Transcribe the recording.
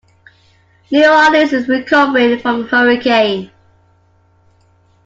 New Orleans is recovering from a hurricane.